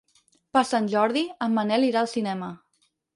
Per Sant Jordi en Manel irà al cinema.